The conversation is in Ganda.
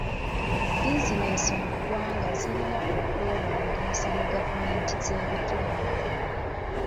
Bizinensi mu ggwanga zirina okwewandiisa ne gavumenti z'ebitundu.